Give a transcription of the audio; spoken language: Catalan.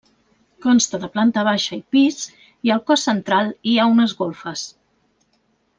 Consta de planta baixa i pis i al cos central hi ha unes golfes.